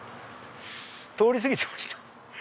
通り過ぎてました！